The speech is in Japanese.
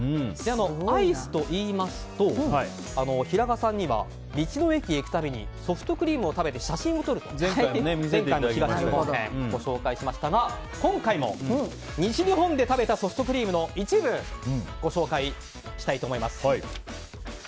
アイスといいますと平賀さんには道の駅へ行くたびにアイスクリームを食べて写真を撮ると、前回の東日本編でご紹介しましたが今回も西日本で食べたソフトクリームの一部をご紹介したいと思います。